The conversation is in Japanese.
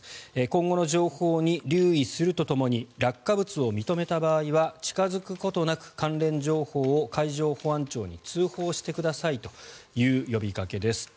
今後の情報に留意するとともに落下物を認めた場合は近付くことなく関連情報を海上保安庁に通報してくださいという呼びかけです。